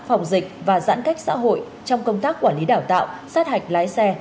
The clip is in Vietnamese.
phòng dịch và giãn cách xã hội trong công tác quản lý đào tạo sát hạch lái xe